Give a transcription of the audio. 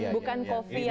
bukan kopi yang